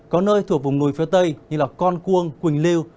có nơi thuộc vùng núi phía tây như con cuông quỳnh lưu